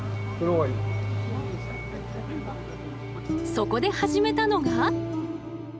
そこで、始めたのが。